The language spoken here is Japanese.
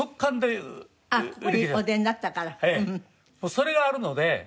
それがあるので私